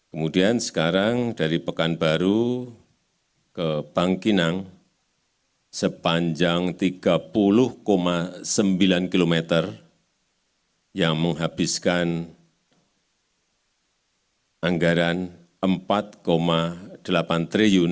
kemudian sekarang dari pekanbaru ke bangkinang sepanjang tiga puluh sembilan km yang menghabiskan anggaran rp empat delapan triliun